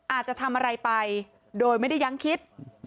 อาจจะทำอะไรไปโดยไม่ได้ยังคิด